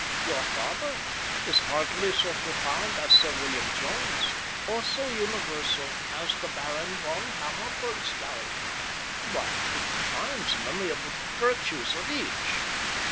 "Your father is hardly so profound as Sir William Jones, or so universal as the Baron Von Hammer Purgstall, but he combines many of the virtues of each.